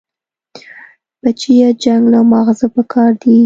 بچيه جنگ له مازغه پکار دي.